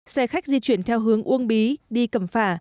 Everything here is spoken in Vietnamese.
xe khách di chuyển theo hướng uông bí đi cầm phả